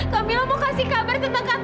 kamilah mau kasih kabar tentang kata ovan tante